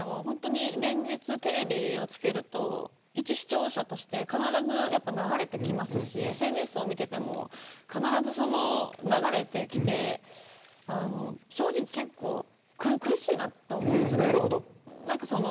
連日、テレビをつけるといち視聴者として必ず流れてきますしＳＮＳを見ていても必ず流れてきて正直結構苦しいなと思うんですよ。